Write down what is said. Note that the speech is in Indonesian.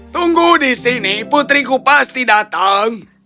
tunggu di sini putriku pasti datang